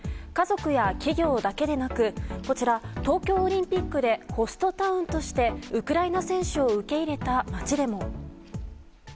家族や企業だけでなくこちら、東京オリンピックでホストタウンとしてウクライナ選手を受け入れた街でも。